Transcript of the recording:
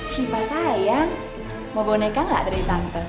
shipa sayang mau boneka gak dari tante